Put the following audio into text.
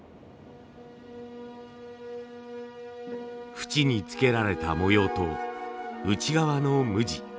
縁につけられた模様と内側の無地。